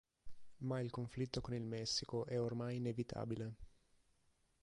Ma il conflitto con il Messico è ormai inevitabile.